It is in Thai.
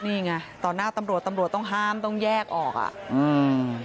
นี่ไงต่อหน้าตำรวจตำรวจต้องห้ามต้องแยกออกอ่ะอืม